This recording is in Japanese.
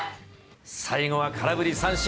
最後は空振り三振。